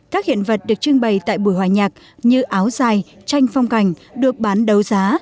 các hiện vật được trưng bày tại buổi hòa nhạc như áo dài tranh phong cảnh được bán đấu giá